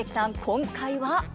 今回は？